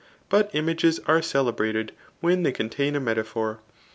But images are celebrated when they con* tain a metaphor.